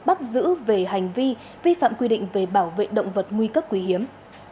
bắt giữ về hành vi vi phạm quy định về bảo vệ động vật nguy cấp quý hiếm